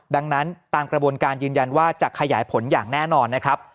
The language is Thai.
ดังนั้นตามกระบวนการยืนยันว่าจะขยายผลอย่างแน่นอนนะครับ